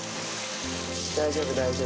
大丈夫大丈夫。